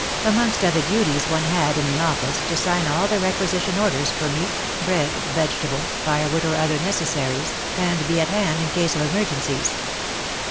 Amongst other duties one had, in the office, to sign all the requisition orders for meat, bread, vegetables, firewood or other necessaries, and be at hand in case of emergencies.